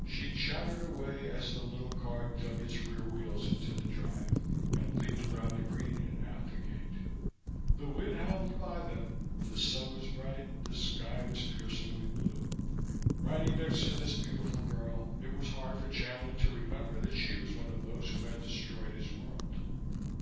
She chattered away as the little car dug its rear wheels into the drive and leaped around the green and out the gate. The wind howled by them, the sun was bright, the sky was piercingly blue. Riding next to this beautiful girl, it was hard for Chandler to remember that she was one of those who had destroyed his world.